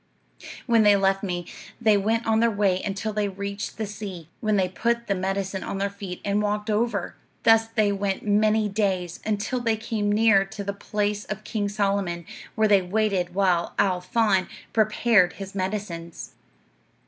"When they left me, they went on their way until they reached the sea, when they put the medicine on their feet and walked over. Thus they went many days, until they came near to the place of King Solomon, where they waited while Al Faan prepared his medicines.